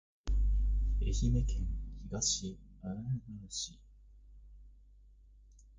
愛媛県東温市